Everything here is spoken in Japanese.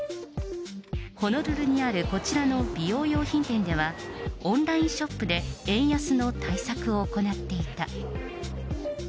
ホノルルにあるこちらの美容用品店では、オンラインショップで円安の対策を行っていた。